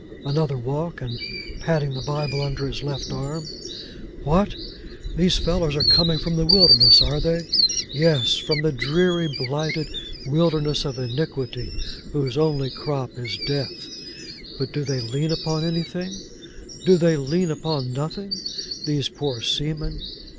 '—Another walk, and patting the Bible under his left arm: 'What! These fellows are coming from the wilderness, are they? Yes. From the dreary, blighted wilderness of Iniquity, whose only crop is Death. But do they lean upon anything—do they lean upon nothing, these poor seamen?